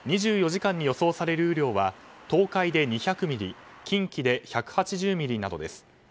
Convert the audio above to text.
２４時間に予想される雨量は東海で２００ミリ近畿で１８０ミリなどです。